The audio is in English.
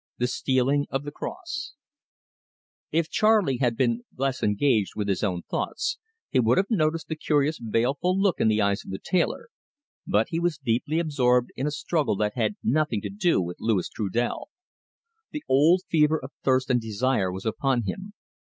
THE STEALING OF THE CROSS If Charley had been less engaged with his own thoughts, he would have noticed the curious baleful look in the eyes of the tailor; but he was deeply absorbed in a struggle that had nothing to do with Louis Trudel. The old fever of thirst and desire was upon him.